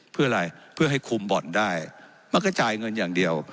เพื่ออะไรเพื่อให้คุมบ่อนได้มันก็จ่ายเงินอย่างเดียว